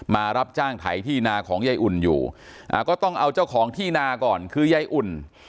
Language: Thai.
รับจ้างไถที่นาของยายอุ่นอยู่ก็ต้องเอาเจ้าของที่นาก่อนคือยายอุ่น